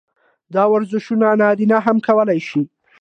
دا ورزشونه نارينه هم کولے شي -